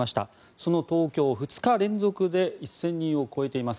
その東京、２日連続で１０００人を超えています。